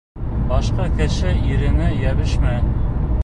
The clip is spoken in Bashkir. Башҡа кеше иренә йәбешмә!